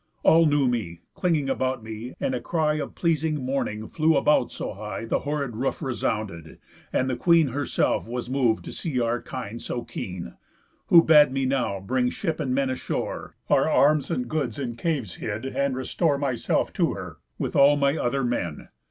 All knew me, cling'd about me, and a cry Of pleasing mourning flew about so high The horrid roof resounded; and the queen Herself was mov'd to see our kind so keen, Who bad me now bring ship and men ashore, Our arms, and goods in caves hid, and restore Myself to her, with all my other men.